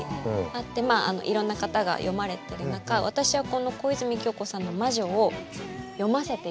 あってまあいろんな方が読まれてる中私はこの小泉今日子さんの「魔女」を読ませていただいて。